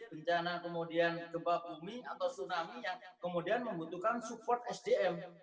bencana kemudian gempa bumi atau tsunami yang kemudian membutuhkan support sdm